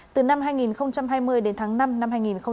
từ năm hai nghìn hai mươi đến tháng năm năm hai nghìn một mươi chín